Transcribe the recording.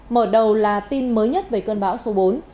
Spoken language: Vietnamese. mở đầu là tin mới nhất về cơn bão số bốn